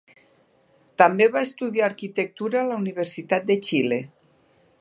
També va estudiar Arquitectura a la Universitat de Xile.